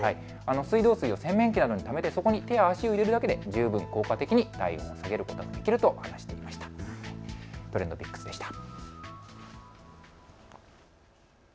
水道水を洗面器などにためてそこに手や足を入れるだけで十分効果的に体温を下げることができると話していました。